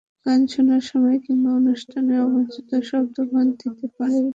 গান শোনার সময় কিংবা অনুষ্ঠানে অবাঞ্ছিত শব্দ বাদ দিতে পারে এটি।